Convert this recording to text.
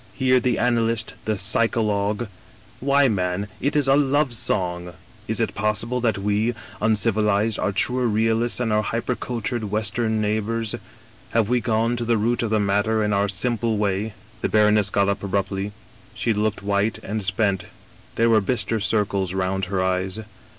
* Hear the analyst, the psycho logue ^why, man, it is a love song ! Is it possible that we, uncivilized, are truer realists than our hypercultured West em neighbors ? Have we gone to the root of the matter, in our simple way ?'" The baroness got up abruptly. She looked white and spent; there were bister circles round her eyes.